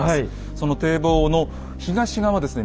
その堤防の東側ですね